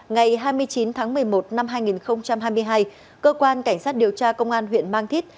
ngày hai mươi chín tháng một mươi một năm hai nghìn hai mươi hai cơ quan cảnh sát điều tra công an huyện mang thít